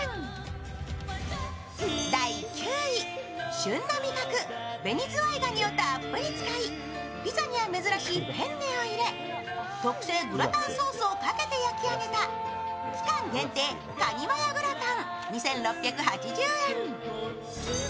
旬の味覚、紅ズワイガニをたっぷり使いピザには珍しいペンネを入れ特製グラタンソースを入れて焼き上げた、期間限定カニマヨグラタン２６８０円。